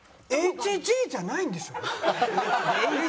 ＨＧじゃないんですよ。